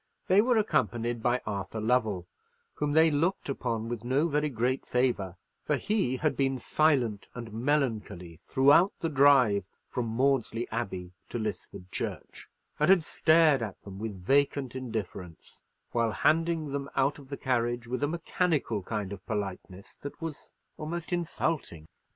They were accompanied by Arthur Lovell, whom they looked upon with no very great favour; for he had been silent and melancholy throughout the drive from Maudesley Abbey to Lisford Church, and had stared at them with vacant indifference, while handing them out of the carriage with a mechanical kind of politeness that was almost insulting.